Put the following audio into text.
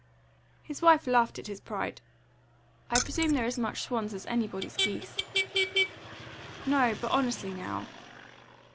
His wife laughed at his pride. "I presume they're as much swans as anybody's geese." "No; but honestly, now!"